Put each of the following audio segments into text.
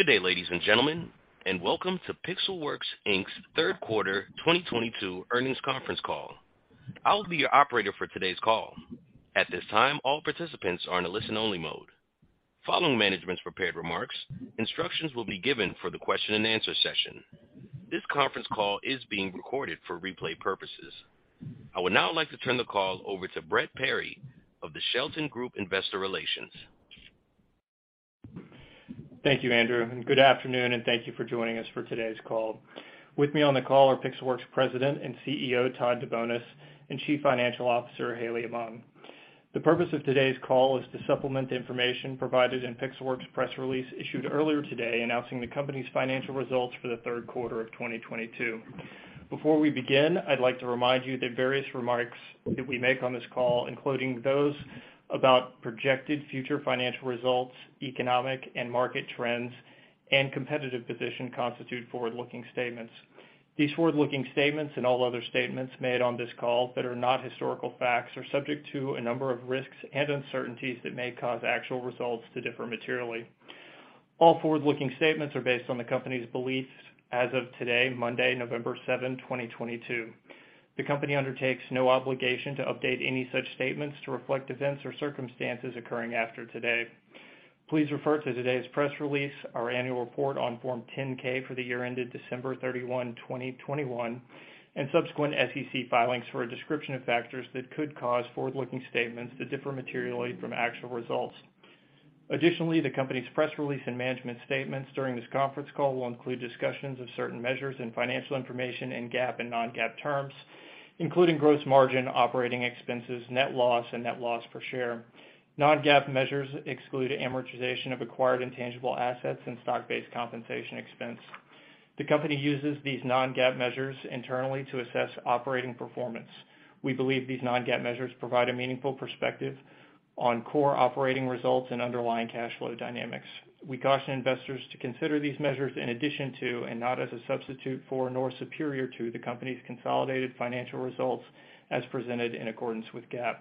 Good day, ladies and gentlemen, and welcome to Pixelworks, Inc.'s third quarter 2022 earnings conference call. I'll be your operator for today's call. At this time, all participants are in a listen-only mode. Following management's prepared remarks, instructions will be given for the question-and-answer session. This conference call is being recorded for replay purposes. I would now like to turn the call over to Brett Perry of the Shelton Group Investor Relations. Thank you, Andrew, and good afternoon, and thank you for joining us for today's call. With me on the call are Pixelworks President and CEO, Todd DeBonis, and Chief Financial Officer, Haley Aman. The purpose of today's call is to supplement the information provided in Pixelworks' press release issued earlier today announcing the company's financial results for the third quarter of 2022. Before we begin, I'd like to remind you that various remarks that we make on this call, including those about projected future financial results, economic and market trends, and competitive position, constitute forward-looking statements. These forward-looking statements and all other statements made on this call that are not historical facts are subject to a number of risks and uncertainties that may cause actual results to differ materially. All forward-looking statements are based on the company's beliefs as of today, Monday, November 7th, 2022. The company undertakes no obligation to update any such statements to reflect events or circumstances occurring after today. Please refer to today's press release, our annual report on Form 10-K for the year ended December 31, 2021, and subsequent SEC filings for a description of factors that could cause forward-looking statements to differ materially from actual results. Additionally, the company's press release and management statements during this conference call will include discussions of certain measures and financial information in GAAP and Non-GAAP terms, including gross margin, operating expenses, net loss, and net loss per share. Non-GAAP measures exclude amortization of acquired intangible assets and stock-based compensation expense. The company uses these Non-GAAP measures internally to assess operating performance. We believe these Non-GAAP measures provide a meaningful perspective on core operating results and underlying cash flow dynamics. We caution investors to consider these measures in addition to and not as a substitute for, nor superior to, the company's consolidated financial results as presented in accordance with GAAP.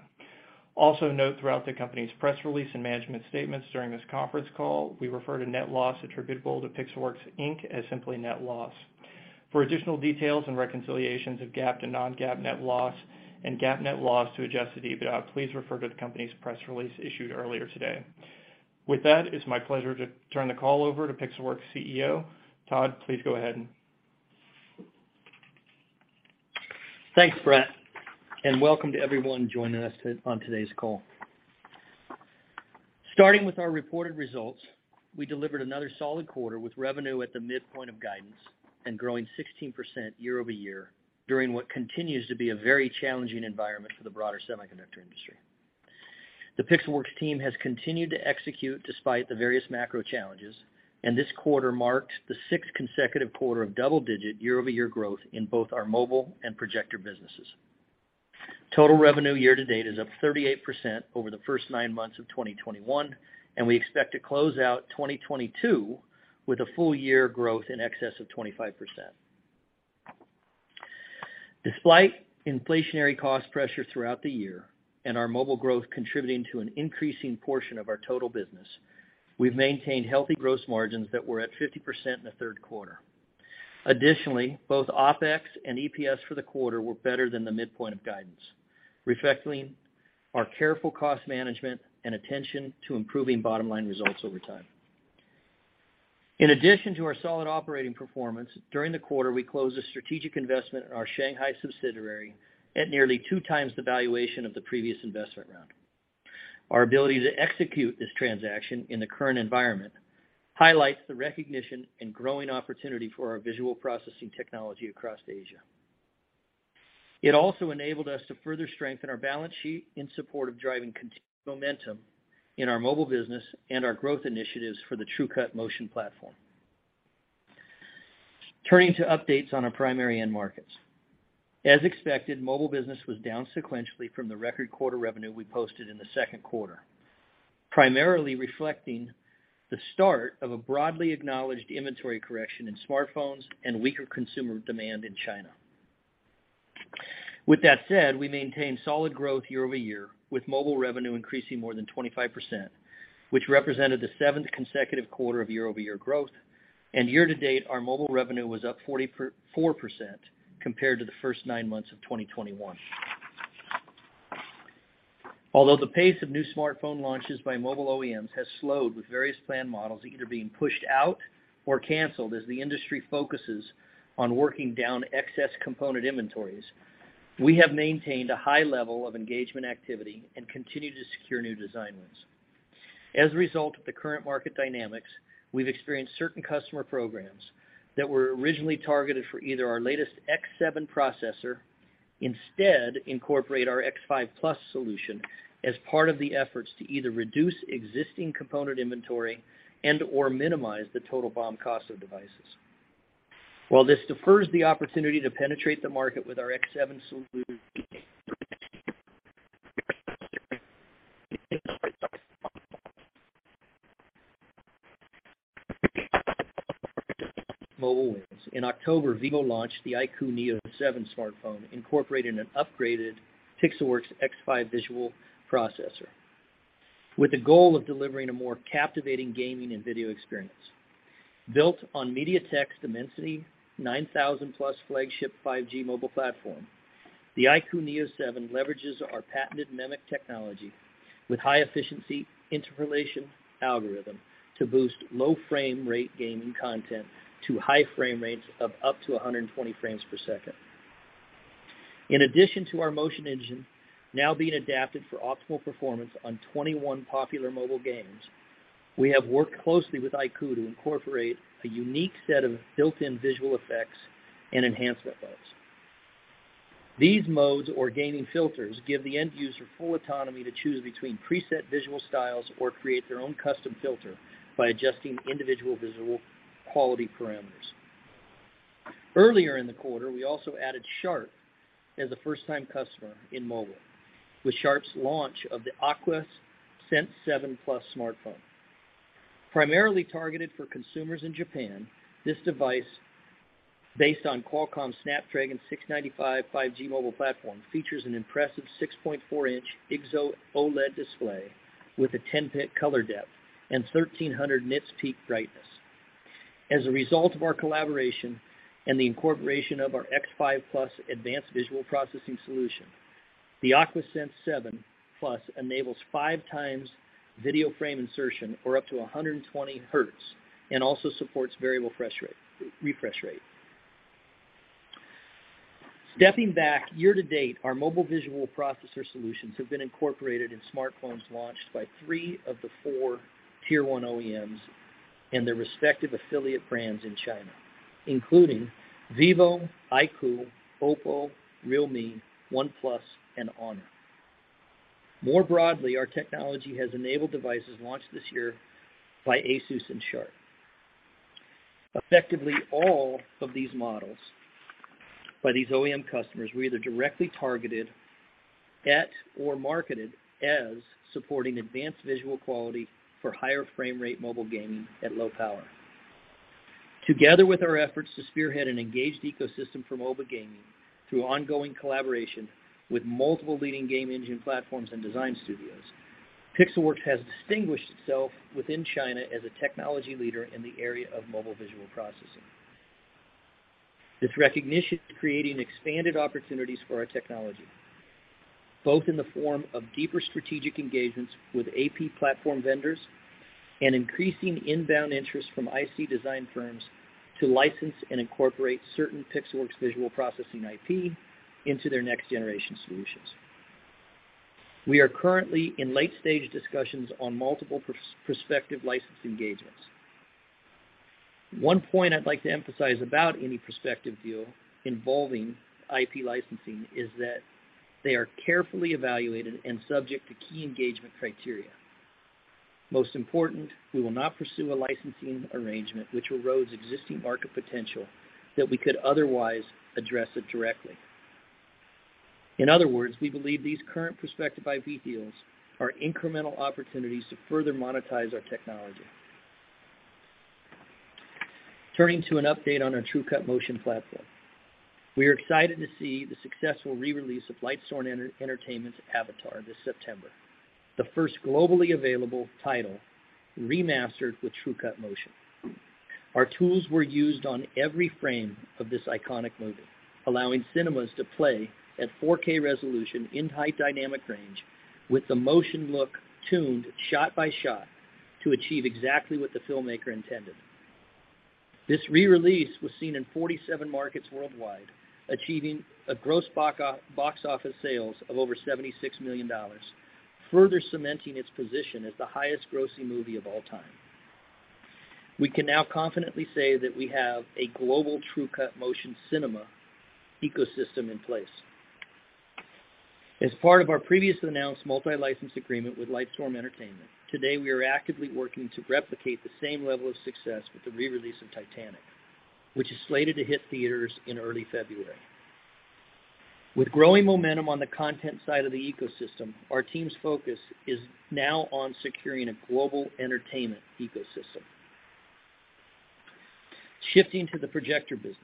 Also note throughout the company's press release and management statements during this conference call, we refer to net loss attributable to Pixelworks, Inc. as simply net loss. For additional details and reconciliations of GAAP to Non-GAAP net loss and GAAP net loss to adjusted EBITDA, please refer to the company's press release issued earlier today. With that, it's my pleasure to turn the call over to Pixelworks' CEO. Todd, please go ahead. Thanks, Brett, and welcome to everyone joining us on today's call. Starting with our reported results, we delivered another solid quarter with revenue at the midpoint of guidance and growing 16% year-over-year during what continues to be a very challenging environment for the broader semiconductor industry. The Pixelworks team has continued to execute despite the various macro challenges, and this quarter marked the sixth consecutive quarter of double-digit year-over-year growth in both our mobile and projector businesses. Total revenue year to date is up 38% over the first nine months of 2021, and we expect to close out 2022 with a full year growth in excess of 25%. Despite inflationary cost pressure throughout the year and our mobile growth contributing to an increasing portion of our total business, we've maintained healthy gross margins that were at 50% in the third quarter. Additionally, both OpEx and EPS for the quarter were better than the midpoint of guidance, reflecting our careful cost management and attention to improving bottom-line results over time. In addition to our solid operating performance, during the quarter, we closed a strategic investment in our Shanghai subsidiary at nearly 2x the valuation of the previous investment round. Our ability to execute this transaction in the current environment highlights the recognition and growing opportunity for our visual processing technology across Asia. It also enabled us to further strengthen our balance sheet in support of driving continued momentum in our mobile business and our growth initiatives for the TrueCut Motion platform. Turning to updates on our primary end markets. As expected, mobile business was down sequentially from the record quarter revenue we posted in the second quarter, primarily reflecting the start of a broadly acknowledged inventory correction in smartphones and weaker consumer demand in China. With that said, we maintained solid growth year-over-year, with mobile revenue increasing more than 25%, which represented the seventh consecutive quarter of year-over-year growth. Year to date, our mobile revenue was up 44% compared to the first nine months of 2021. Although the pace of new smartphone launches by mobile OEMs has slowed with various platform models either being pushed out or canceled as the industry focuses on working down excess component inventories, we have maintained a high level of engagement activity and continue to secure new design wins. As a result of the current market dynamics, we've experienced certain customer programs that were originally targeted for our latest X7 processor. Instead incorporate our X5 Plus solution as part of the efforts to either reduce existing component inventory and/or minimize the total BOM cost of devices. While this defers the opportunity to penetrate the market with our X7 solution. Mobile wins. In October, Vivo launched the iQOO Neo 7 smartphone, incorporating an upgraded Pixelworks X5 visual processor with the goal of delivering a more captivating gaming and video experience. Built on MediaTek's Dimensity 9000+ flagship 5G mobile platform, the iQOO Neo 7 leverages our patented MEMC technology with high efficiency interpolation algorithm to boost low frame rate gaming content to high frame rates of up to 120 frames per second. In addition to our motion engine now being adapted for optimal performance on 21 popular mobile games, we have worked closely with iQOO to incorporate a unique set of built-in visual effects and enhancement modes. These modes or gaming filters give the end user full autonomy to choose between preset visual styles or create their own custom filter by adjusting individual visual quality parameters. Earlier in the quarter, we also added Sharp as a first-time customer in mobile with Sharp's launch of the AQUOS sense7 plus smartphone. Primarily targeted for consumers in Japan, this device, based on Qualcomm's Snapdragon 695 5G mobile platform, features an impressive 6.4-inch IGZO OLED display with a 10-bit color depth and 1,300 nits peak brightness. As a result of our collaboration and the incorporation of our X5 Plus advanced visual processing solution, the AQUOS sense7 plus enables 5x video frame insertion or up to 120 hertz and also supports variable refresh rate. Stepping back, year to date, our mobile visual processor solutions have been incorporated in smartphones launched by three of the four tier one OEMs and their respective affiliate brands in China, including Vivo, iQOO, Oppo, Realme, OnePlus and Honor. More broadly, our technology has enabled devices launched this year by ASUS and Sharp. Effectively, all of these models by these OEM customers were either directly targeted at or marketed as supporting advanced visual quality for higher frame rate mobile gaming at low power. Together with our efforts to spearhead an engaged ecosystem for mobile gaming through ongoing collaboration with multiple leading game engine platforms and design studios, Pixelworks has distinguished itself within China as a technology leader in the area of mobile visual processing. This recognition creating expanded opportunities for our technology, both in the form of deeper strategic engagements with AP platform vendors and increasing inbound interest from IC design firms to license and incorporate certain Pixelworks visual processing IP into their next generation solutions. We are currently in late stage discussions on multiple prospective license engagements. One point I'd like to emphasize about any prospective deal involving IP licensing is that they are carefully evaluated and subject to key engagement criteria. Most important, we will not pursue a licensing arrangement which erodes existing market potential that we could otherwise address it directly. In other words, we believe these current prospective IP deals are incremental opportunities to further monetize our technology. Turning to an update on our TrueCut Motion platform. We are excited to see the successful re-release of Lightstorm Entertainment's Avatar this September, the first globally available title remastered with TrueCut Motion. Our tools were used on every frame of this iconic movie, allowing cinemas to play at 4K resolution in high dynamic range with the motion look tuned shot by shot to achieve exactly what the filmmaker intended. This re-release was seen in 47 markets worldwide, achieving a gross box office sales of over $76 million, further cementing its position as the highest grossing movie of all time. We can now confidently say that we have a global TrueCut Motion cinema ecosystem in place. As part of our previously announced multi-license agreement with Lightstorm Entertainment, today we are actively working to replicate the same level of success with the re-release of Titanic, which is slated to hit theaters in early February. With growing momentum on the content side of the ecosystem, our team's focus is now on securing a global entertainment ecosystem. Shifting to the projector business.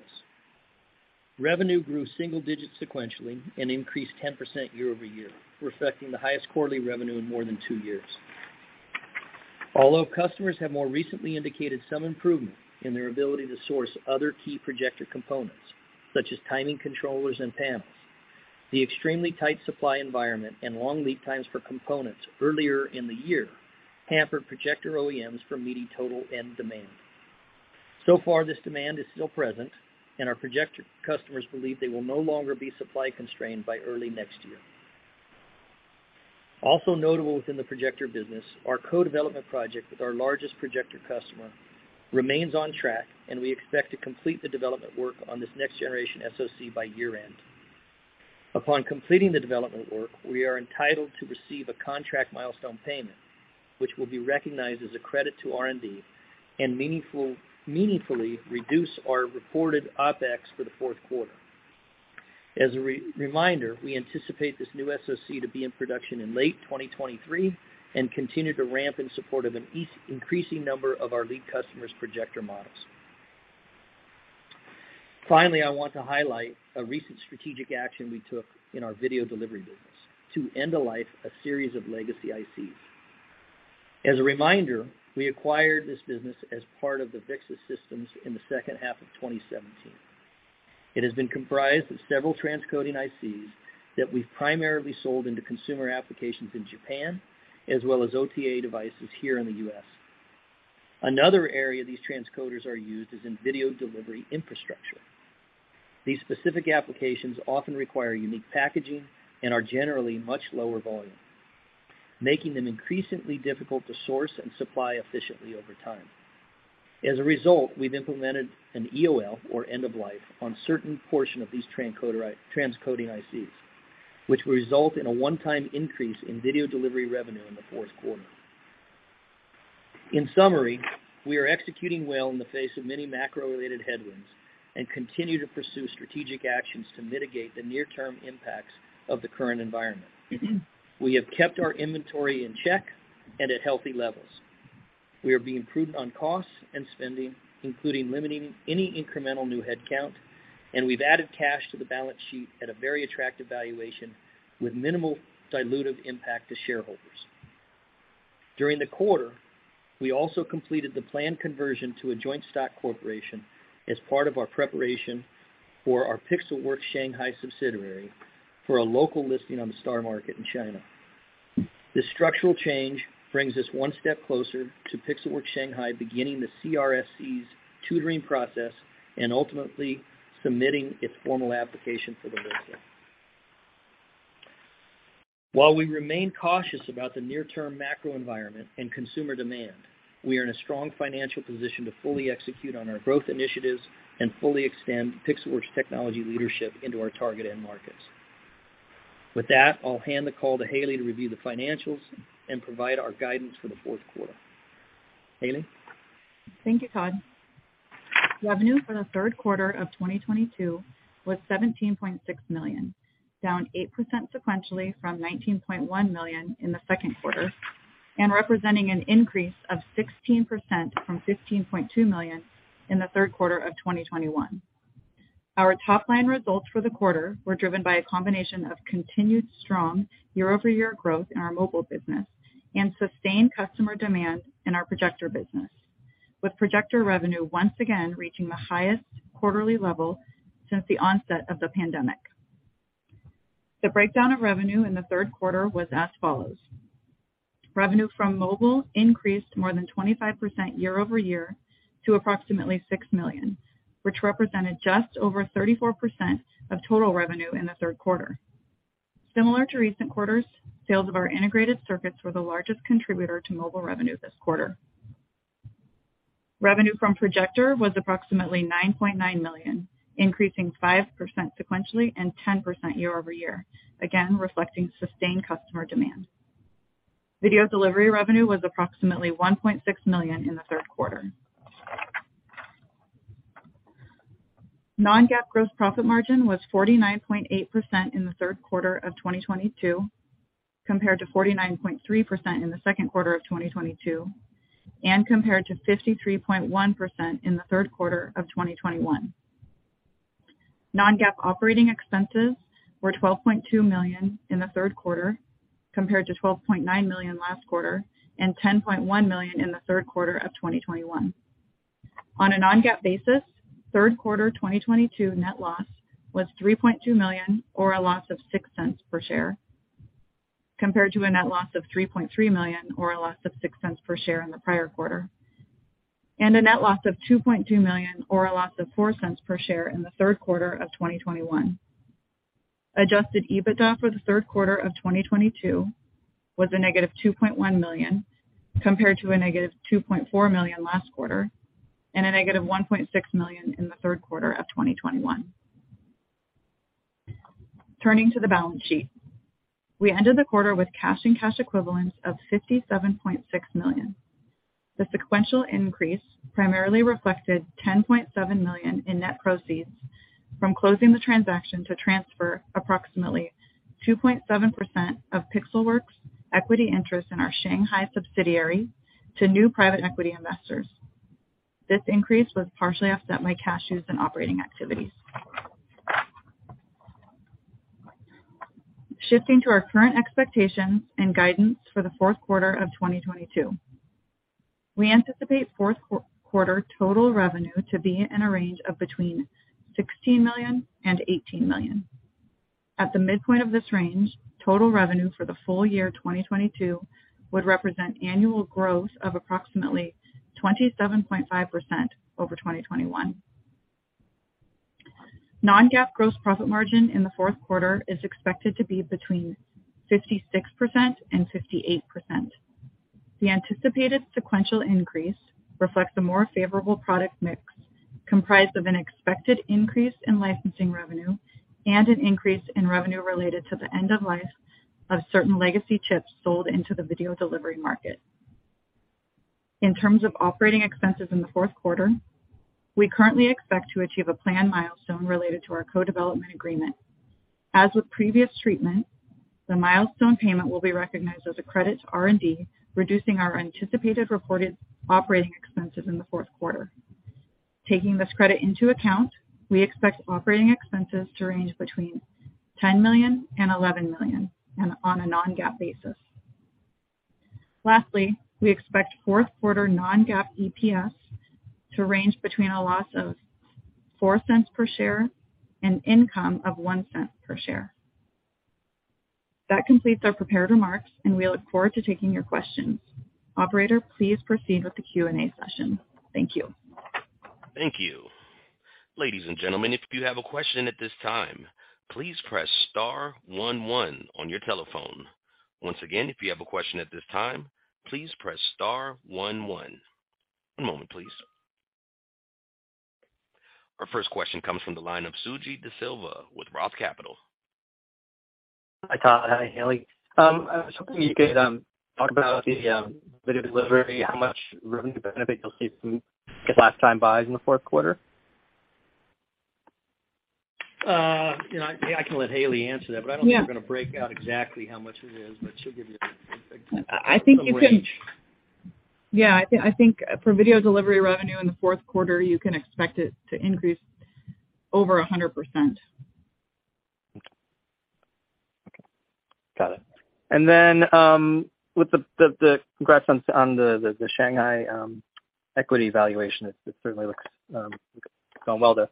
Revenue grew single digits sequentially and increased 10% year-over-year, reflecting the highest quarterly revenue in more than two years. Although customers have more recently indicated some improvement in their ability to source other key projector components, such as timing controllers and panels, the extremely tight supply environment and long lead times for components earlier in the year hampered projector OEMs from meeting total end demand. So far, this demand is still present and our projector customers believe they will no longer be supply constrained by early next year. Also notable within the projector business, our co-development project with our largest projector customer remains on track and we expect to complete the development work on this next generation SoC by year end. Upon completing the development work, we are entitled to receive a contract milestone payment, which will be recognized as a credit to R&D and meaningfully reduce our reported OpEx for the fourth quarter. As a reminder, we anticipate this new SoC to be in production in late 2023 and continue to ramp in support of an ever-increasing number of our lead customers projector models. Finally, I want to highlight a recent strategic action we took in our video delivery business to end the life of a series of legacy ICs. As a reminder, we acquired this business as part of the ViXS Systems in the second half of 2017. It has been comprised of several transcoding ICs that we've primarily sold into consumer applications in Japan, as well as OTA devices here in the U.S. Another area these transcoders are used is in video delivery infrastructure. These specific applications often require unique packaging and are generally much lower volume, making them increasingly difficult to source and supply efficiently over time. As a result, we've implemented an EOL, or end of life, on certain portion of these transcoding ICs, which will result in a one-time increase in video delivery revenue in the fourth quarter. In summary, we are executing well in the face of many macro-related headwinds and continue to pursue strategic actions to mitigate the near-term impacts of the current environment. We have kept our inventory in check and at healthy levels. We are being prudent on costs and spending, including limiting any incremental new headcount, and we've added cash to the balance sheet at a very attractive valuation with minimal dilutive impact to shareholders. During the quarter, we also completed the planned conversion to a joint-stock corporation as part of our preparation for our Pixelworks Shanghai subsidiary for a local listing on the STAR Market in China. This structural change brings us one step closer to Pixelworks Shanghai beginning the CSRC's tutoring process and ultimately submitting its formal application for the listing. While we remain cautious about the near-term macro environment and consumer demand, we are in a strong financial position to fully execute on our growth initiatives and fully extend Pixelworks' technology leadership into our target end markets. With that, I'll hand the call to Haley to review the financials and provide our guidance for the fourth quarter. Haley? Thank you, Todd. Revenue for the third quarter of 2022 was $17.6 million, down 8% sequentially from $19.1 million in the second quarter, and representing an increase of 16% from $15.2 million in the third quarter of 2021. Our top line results for the quarter were driven by a combination of continued strong year-over-year growth in our mobile business and sustained customer demand in our projector business, with projector revenue once again reaching the highest quarterly level since the onset of the pandemic. The breakdown of revenue in the third quarter was as follows. Revenue from mobile increased more than 25% year-over-year to approximately $6 million, which represented just over 34% of total revenue in the third quarter. Similar to recent quarters, sales of our integrated circuits were the largest contributor to mobile revenue this quarter. Revenue from projector was approximately $9.9 million, increasing 5% sequentially and 10% year-over-year, again, reflecting sustained customer demand. Video delivery revenue was approximately $1.6 million in the third quarter. Non-GAAP gross profit margin was 49.8% in the third quarter of 2022, compared to 49.3% in the second quarter of 2022, and compared to 53.1% in the third quarter of 2021. Non-GAAP operating expenses were $12.2 million in the third quarter, compared to $12.9 million last quarter, and $10.1 million in the third quarter of 2021. On a Non-GAAP basis, third quarter 2022 net loss was $3.2 million or a loss of $0.06 per share, compared to a net loss of $3.3 million or a loss of $0.06 per share in the prior quarter, and a net loss of $2.2 million or a loss of $0.04 per share in the third quarter of 2021. Adjusted EBITDA for the third quarter of 2022 was a negative $2.1 million, compared to a negative $2.4 million last quarter, and a negative $1.6 million in the third quarter of 2021. Turning to the balance sheet. We ended the quarter with cash and cash equivalents of $57.6 million. The sequential increase primarily reflected $10.7 million in net proceeds from closing the transaction to transfer approximately 2.7% of Pixelworks' equity interest in our Shanghai subsidiary to new private equity investors. This increase was partially offset by cash used in operating activities. Shifting to our current expectations and guidance for the fourth quarter of 2022. We anticipate fourth quarter total revenue to be in a range of between $16 million and $18 million. At the midpoint of this range, total revenue for the full year 2022 would represent annual growth of approximately 27.5% over 2021. Non-GAAP gross profit margin in the fourth quarter is expected to be between 56% and 58%. The anticipated sequential increase reflects a more favorable product mix comprised of an expected increase in licensing revenue and an increase in revenue related to the end of life of certain legacy chips sold into the video delivery market. In terms of operating expenses in the fourth quarter, we currently expect to achieve a planned milestone related to our co-development agreement. As with previous treatment, the milestone payment will be recognized as a credit to R&D, reducing our anticipated reported operating expenses in the fourth quarter. Taking this credit into account, we expect operating expenses to range between $10 million and $11 million on a Non-GAAP basis. Lastly, we expect fourth quarter Non-GAAP EPS to range between a loss of $0.04 per share and income of $0.01 per share. That completes our prepared remarks, and we look forward to taking your questions. Operator, please proceed with the Q&A session. Thank you. Thank you. Ladies and gentlemen, if you have a question at this time, please press star one one on your telephone. Once again, if you have a question at this time, please press star one one. One moment, please. Our first question comes from the line of Suji Desilva with Roth Capital. Hi, Todd. Hi, Haley. I was hoping you could talk about the video delivery, how much revenue benefit you'll see from the last time buys in the fourth quarter. you know, I can let Haley answer that. Yeah. I don't think we're gonna break out exactly how much it is, but she'll give you a big picture. I think you can. In a way. Yeah. I think for video delivery revenue in the fourth quarter, you can expect it to increase over 100%. Got it. With the congrats on the Shanghai equity valuation. It certainly looks going well there.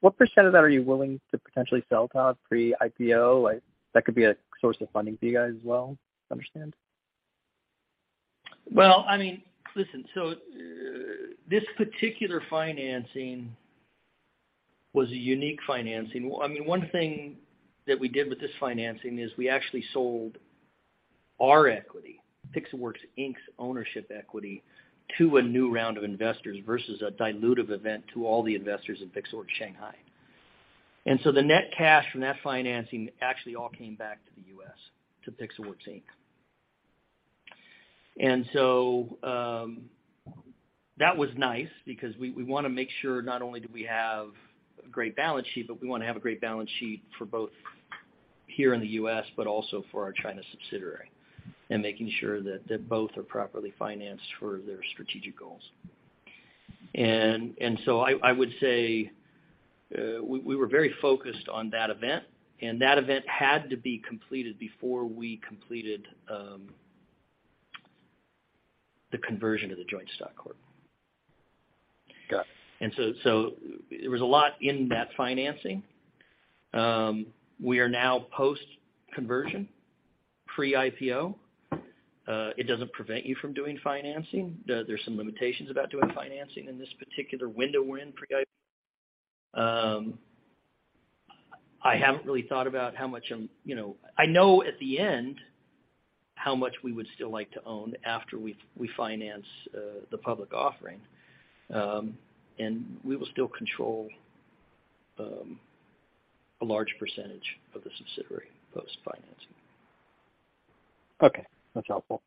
What percent of that are you willing to potentially sell, Todd, pre-IPO? Like, that could be a source of funding for you guys as well, I understand. Well, I mean, listen, this particular financing was a unique financing. I mean, one thing that we did with this financing is we actually sold our equity, Pixelworks, Inc.'s ownership equity, to a new round of investors versus a dilutive event to all the investors in Pixelworks Shanghai. The net cash from that financing actually all came back to the U.S., to Pixelworks, Inc. That was nice because we wanna make sure not only do we have a great balance sheet, but we wanna have a great balance sheet for both here in the U.S., but also for our China subsidiary, and making sure that both are properly financed for their strategic goals. I would say we were very focused on that event, and that event had to be completed before we completed the conversion of the joint-stock corporation. Got it. There was a lot in that financing. We are now post-conversion, pre-IPO. It doesn't prevent you from doing financing. There's some limitations about doing financing in this particular window we're in pre-IPO. I haven't really thought about how much I'm you know I know at the end how much we would still like to own after we finance the public offering. We will still control a large percentage of the subsidiary post-financing. Okay. That's helpful.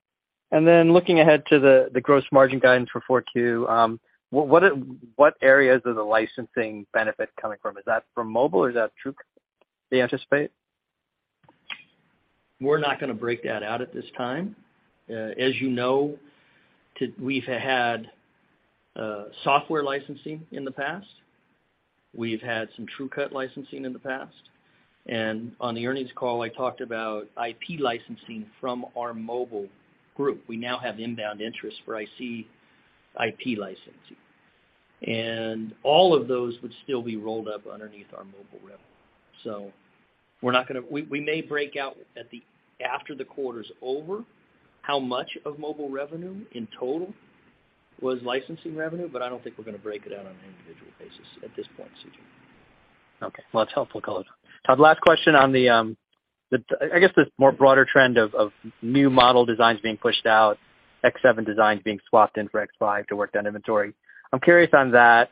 Looking ahead to the gross margin guidance for Q4, what areas are the licensing benefit coming from? Is that from mobile or is that TrueCut they anticipate? We're not gonna break that out at this time. As you know, we've had software licensing in the past. We've had some TrueCut licensing in the past. On the earnings call, I talked about IP licensing from our mobile group. We now have inbound interest for IC IP licensing. All of those would still be rolled up underneath our mobile revenue. We're not gonna. We may break out after the quarter's over, how much of mobile revenue in total was licensing revenue, but I don't think we're gonna break it out on an individual basis at this point, Suji. Okay. Well, that's helpful color. Todd, last question on the, I guess, the more broader trend of new model designs being pushed out, X7 designs being swapped in for X5 to work down inventory. I'm curious on that.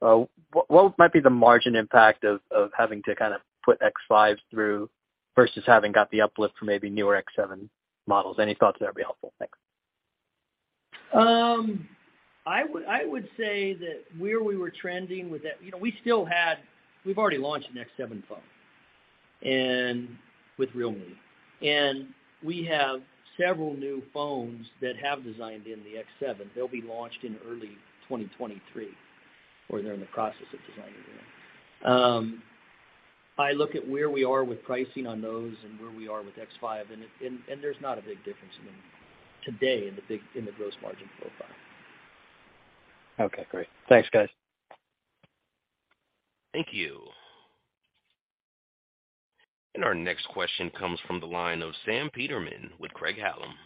What might be the margin impact of having to kind of put X5 through versus having got the uplift for maybe newer X7 models? Any thoughts there would be helpful. Thanks. I would say that where we were trending with that, we've already launched an X7 phone with Realme, and we have several new phones that have designed in the X7. They'll be launched in early 2023, or they're in the process of designing them. I look at where we are with pricing on those and where we are with X5, and there's not a big difference in them today in the gross margin profile. Okay, great. Thanks, guys. Thank you. Our next question comes from the line of Sam Peter with Craig-Hallum Capital Group.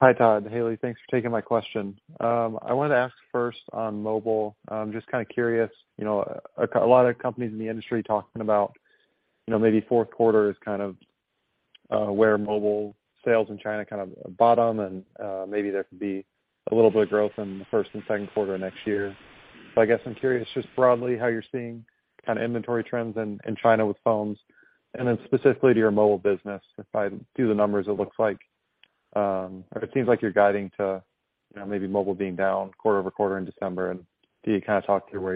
Hi, Todd, Haley. Thanks for taking my question. I wanted to ask first on mobile. I'm just kinda curious, you know, a lot of companies in the industry talking about, you know, maybe fourth quarter is kind of where mobile sales in China kind of bottom and maybe there could be a little bit of growth in the first and second quarter of next year. I guess I'm curious just broadly how you're seeing kind of inventory trends in China with phones. Then specifically to your mobile business, if I do the numbers, it looks like, or it seems like you're guiding to, you know, maybe mobile being down quarter-over-quarter in December. Can you kind of talk to where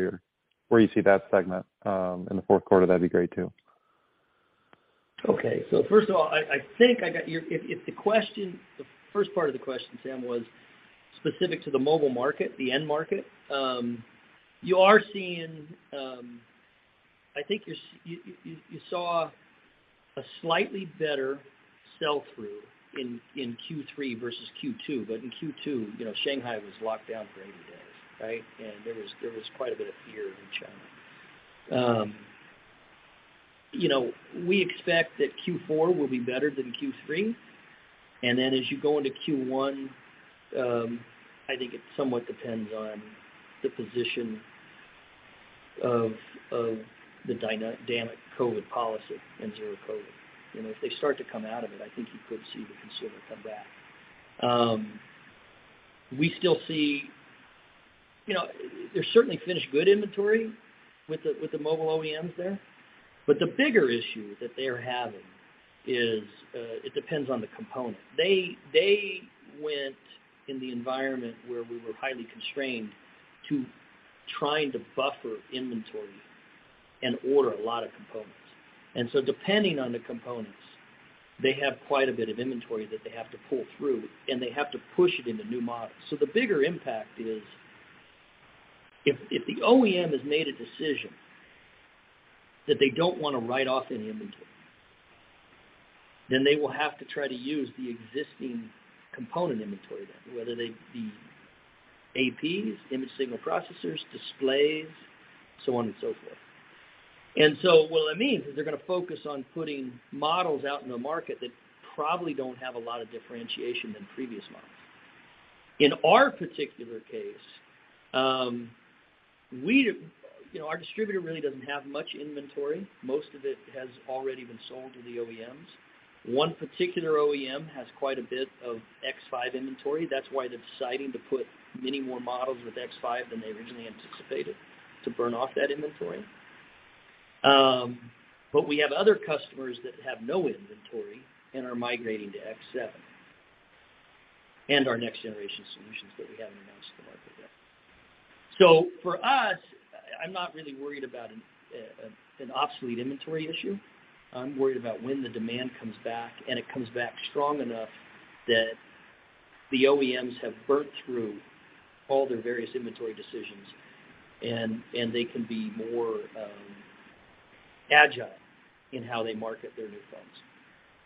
you see that segment in the fourth quarter? That'd be great too. First of all, if the first part of the question, Sam, was specific to the mobile market, the end market you are seeing. I think you saw a slightly better sell-through in Q3 versus Q2. In Q2, you know, Shanghai was locked down for 80 days, right? There was quite a bit of fear in China. You know, we expect that Q4 will be better than Q3. As you go into Q1, I think it somewhat depends on the position of the dynamic COVID policy and zero COVID. You know, if they start to come out of it, I think you could see the consumer come back. We still see. You know, there's certainly finished good inventory with the mobile OEMs there, but the bigger issue that they're having is it depends on the component. They went in the environment where we were highly constrained to trying to buffer inventory and order a lot of components. Depending on the components, they have quite a bit of inventory that they have to pull through, and they have to push it into new models. The bigger impact is if the OEM has made a decision that they don't wanna write off any inventory, then they will have to try to use the existing component inventory then, whether they be APs, image signal processors, displays, so on and so forth. What it means is they're gonna focus on putting models out in the market that probably don't have a lot of differentiation than previous models. In our particular case, you know, our distributor really doesn't have much inventory. Most of it has already been sold to the OEMs. One particular OEM has quite a bit of X5 inventory. That's why they're deciding to put many more models with X5 than they originally anticipated to burn off that inventory. We have other customers that have no inventory and are migrating to X7 and our next generation solutions that we haven't announced to the market yet. For us, I'm not really worried about an obsolete inventory issue. I'm worried about when the demand comes back, and it comes back strong enough that the OEMs have burnt through all their various inventory decisions and they can be more agile in how they market their new phones.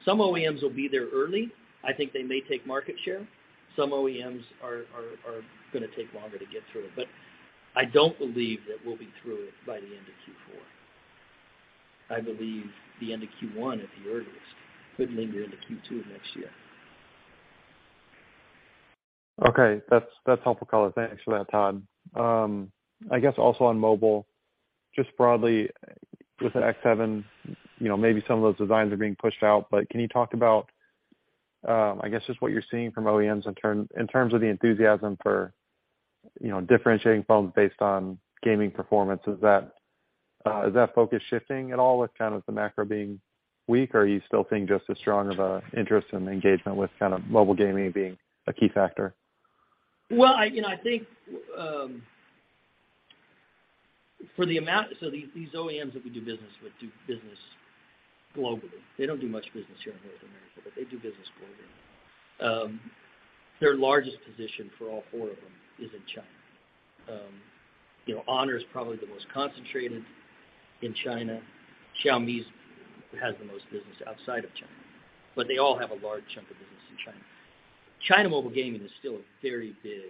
Some OEMs will be there early. I think they may take market share. Some OEMs are gonna take longer to get through it. I don't believe that we'll be through it by the end of Q4. I believe the end of Q1 at the earliest. Could linger into Q2 of next year. Okay. That's helpful color. Thanks for that, Todd. I guess also on mobile, just broadly with the X7, you know, maybe some of those designs are being pushed out, but can you talk about, I guess just what you're seeing from OEMs in terms of the enthusiasm for, you know, differentiating phones based on gaming performance? Is that focus shifting at all with kind of the macro being weak, or are you still seeing just as strong of a interest and engagement with kind of mobile gaming being a key factor? You know, I think these OEMs that we do business with do business globally. They don't do much business here in North America, but they do business globally. Their largest position for all four of them is in China. You know, Honor is probably the most concentrated in China. Xiaomi has the most business outside of China, but they all have a large chunk of business in China. China mobile gaming is still a very big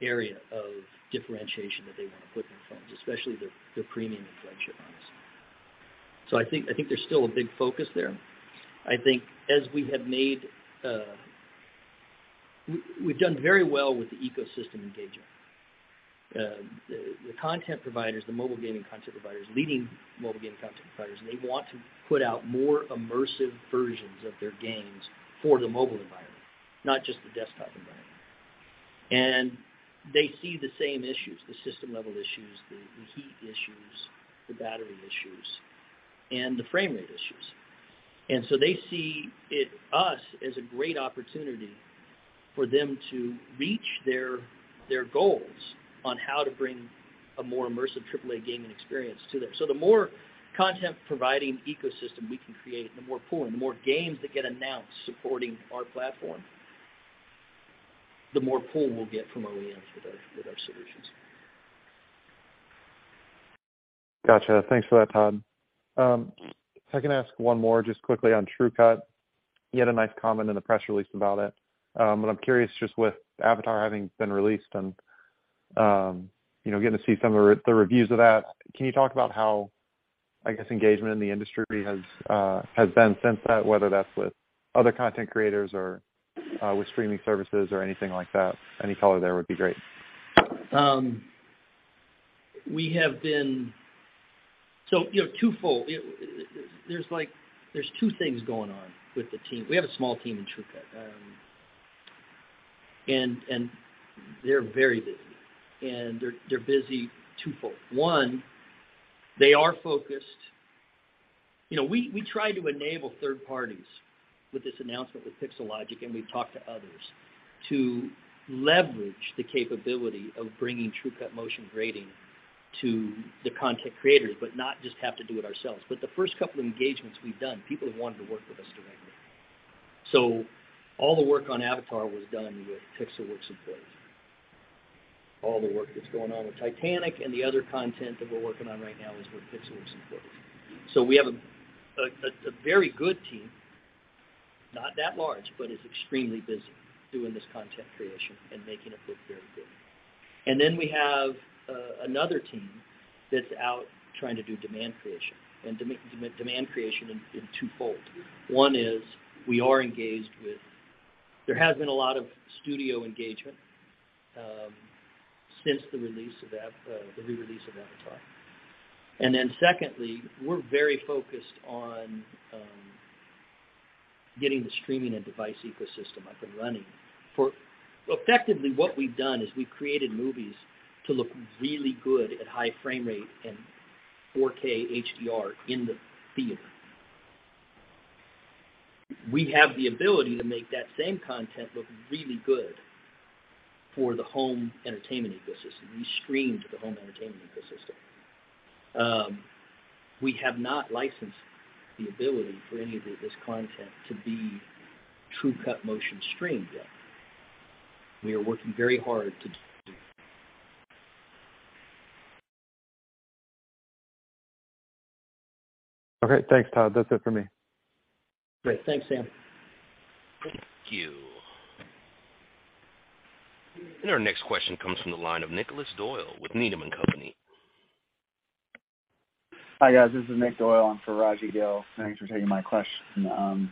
area of differentiation that they wanna put in phones, especially the premium and flagship phones. I think there's still a big focus there. We've done very well with the ecosystem engagement. The content providers, the mobile gaming content providers, leading mobile gaming content providers, they want to put out more immersive versions of their games for the mobile environment, not just the desktop environment. They see the same issues, the system level issues, the heat issues, the battery issues, and the frame rate issues. They see us as a great opportunity for them to reach their goals on how to bring a more immersive AAA gaming experience to them. The more content providing ecosystem we can create and the more pull and the more games that get announced supporting our platform, the more pull we'll get from OEMs with our solutions. Gotcha. Thanks for that, Todd. If I can ask one more just quickly on TrueCut. You had a nice comment in the press release about it. But I'm curious just with Avatar having been released and, you know, getting to see some of the reviews of that, can you talk about how, I guess, engagement in the industry has been since that, whether that's with other content creators or with streaming services or anything like that? Any color there would be great. You know, twofold. There's, like, two things going on with the team. We have a small team in TrueCut, and they're very busy, and they're busy twofold. One, they are focused. You know, we try to enable third parties with this announcement with Pixelogic, and we've talked to others to leverage the capability of bringing TrueCut motion grading to the content creators, but not just have to do it ourselves. The first couple engagements we've done, people have wanted to work with us directly. All the work on Avatar was done with Pixelworks employees. All the work that's going on with Titanic and the other content that we're working on right now is with Pixelworks employees. We have a very good team, not that large, but is extremely busy doing this content creation and making it look very good. We have another team that's out trying to do demand creation, and demand creation in twofold. One is we are engaged with. There has been a lot of studio engagement since the re-release of Avatar. Secondly, we're very focused on getting the streaming and device ecosystem up and running. Effectively what we've done is we've created movies to look really good at high frame rate and 4K HDR in the theater. We have the ability to make that same content look really good for the home entertainment ecosystem. We stream to the home entertainment ecosystem. We have not licensed the ability for any of this content to be TrueCut Motion streamed yet. We are working very hard to do. Okay, thanks, Todd. That's it for me. Great. Thanks, Sam. Thank you. Our next question comes from the line of Nick Doyle with Needham & Company. Hi, guys. This is Nick Doyle in for Rajvindra Gill. Thanks for taking my question.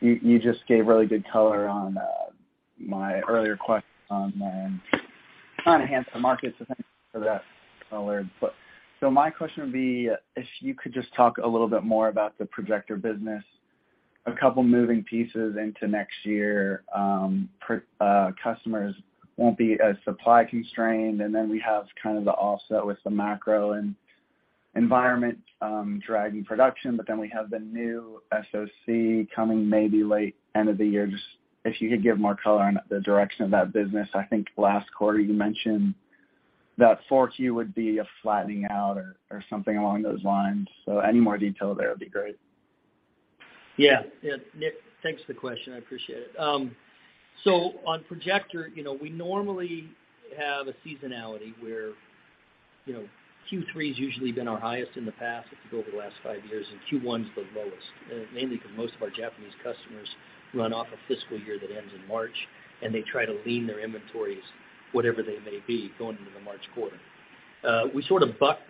You just gave really good color on my earlier question on trying to enhance the market, so thanks for that color. My question would be if you could just talk a little bit more about the projector business. A couple moving pieces into next year, customers won't be as supply constrained, and then we have kind of the offset with the macro environment, dragging production, but then we have the new SoC coming maybe late end of the year. Just if you could give more color on the direction of that business. I think last quarter you mentioned that 4Q would be a flattening out or something along those lines. Any more detail there would be great. Yeah. Yeah, Nick, thanks for the question. I appreciate it. So on projector, you know, we normally have a seasonality where, you know, Q3 has usually been our highest in the past, if you go over the last five years, and Q1 is the lowest, mainly because most of our Japanese customers run off a fiscal year that ends in March, and they try to lean their inventories, whatever they may be, going into the March quarter. We sort of bucked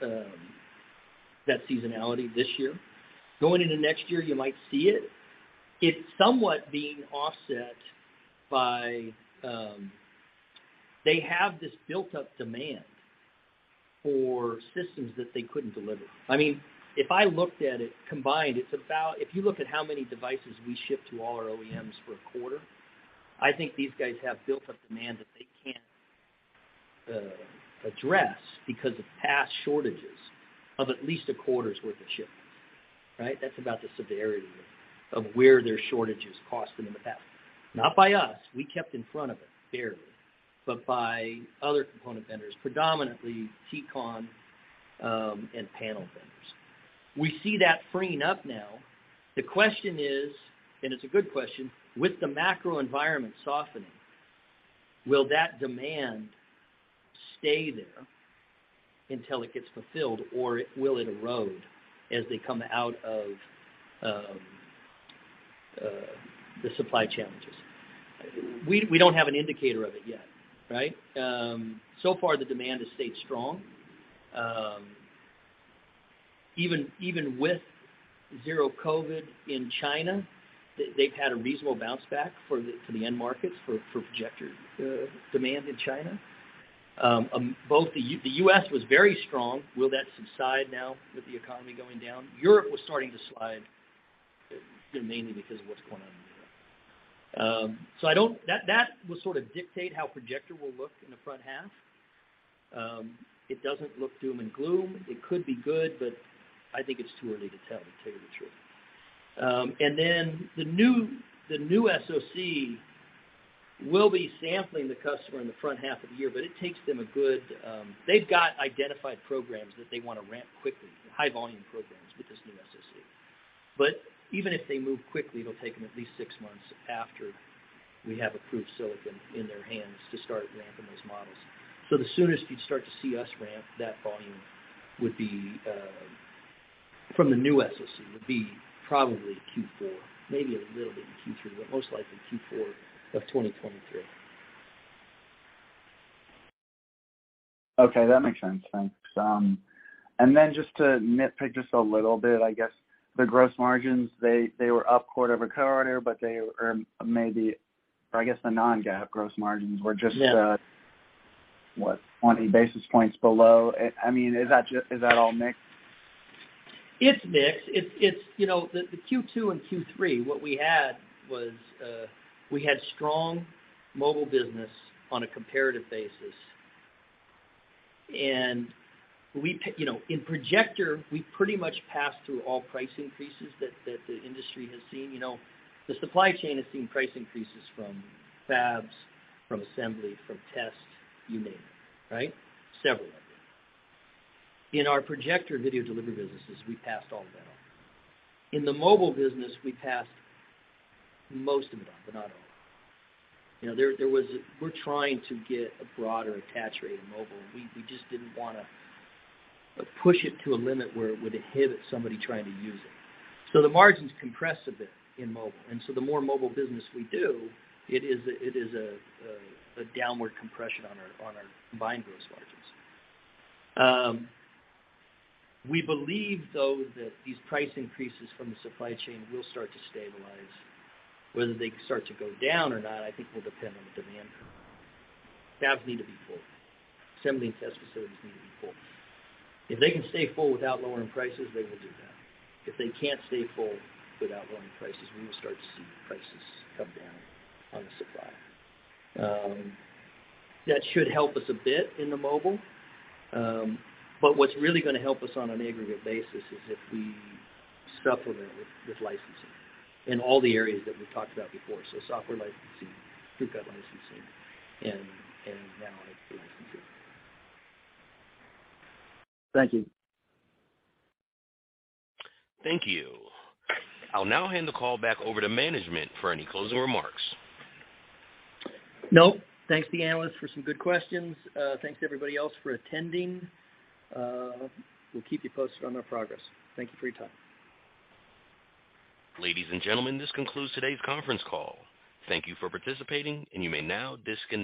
that seasonality this year. Going into next year, you might see it. It's somewhat being offset by, they have this built-up demand for systems that they couldn't deliver. I mean, if I looked at it combined, it's about... If you look at how many devices we ship to all our OEMs for a quarter, I think these guys have built up demand that they can't address because of past shortages of at least a quarter's worth of shipments, right? That's about the severity of where their shortages cost them in the past. Not by us. We kept in front of it barely, but by other component vendors, predominantly T-CON, and panel vendors. We see that freeing up now. The question is, and it's a good question, with the macro environment softening, will that demand stay there until it gets fulfilled, or will it erode as they come out of the supply challenges? We don't have an indicator of it yet, right? So far the demand has stayed strong. Even with zero COVID in China, they've had a reasonable bounce back for the end markets for projector demand in China. Both the U.S. was very strong. Will that subside now with the economy going down? Europe was starting to slide, mainly because of what's going on in Europe. I don't. That will sort of dictate how projector will look in the front half. It doesn't look doom and gloom. It could be good, but I think it's too early to tell you the truth. Then the new SoC will be sampling the customer in the front half of the year, but it takes them a good. They've got identified programs that they wanna ramp quickly, high volume programs with this new SoC. Even if they move quickly, it'll take them at least six months after we have approved silicon in their hands to start ramping those models. The soonest you'd start to see us ramp that volume would be from the new SoC probably Q4, maybe a little bit in Q3, but most likely Q4 of 2023. Okay, that makes sense. Thanks. Just to nitpick just a little bit, I guess the gross margins, they were up quarter-over-quarter, but maybe I guess the Non-GAAP gross margins were just, what? 20 basis points below. I mean, is that just? Is that all mixed? It's mixed. You know, Q2 and Q3, what we had was we had strong mobile business on a comparative basis. You know, in projector, we pretty much passed through all price increases that the industry has seen. You know, the supply chain has seen price increases from fabs, from assembly, from test, you name it, right? Several of them. In our projector video delivery businesses, we passed all of that on. In the mobile business, we passed most of it on, but not all. You know, there was. We're trying to get a broader attach rate in mobile, and we just didn't wanna push it to a limit where it would inhibit somebody trying to use it. The margins compress a bit in mobile, and the more mobile business we do, it is a downward compression on our combined gross margins. We believe, though, that these price increases from the supply chain will start to stabilize. Whether they start to go down or not, I think will depend on the demand. Fabs need to be full. Assembly and test facilities need to be full. If they can stay full without lowering prices, they will do that. If they can't stay full without lowering prices, we will start to see prices come down on the supply. That should help us a bit in the mobile. What's really gonna help us on an aggregate basis is if we supplement with licensing in all the areas that we've talked about before. Software licensing, TrueCut licensing, and now the licensing. Thank you. Thank you. I'll now hand the call back over to management for any closing remarks. Nope. Thanks to the analysts for some good questions. Thanks to everybody else for attending. We'll keep you posted on our progress. Thank you for your time. Ladies and gentlemen, this concludes today's conference call. Thank you for participating, and you may now disconnect.